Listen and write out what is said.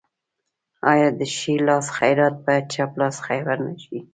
آیا د ښي لاس خیرات باید چپ لاس خبر نشي؟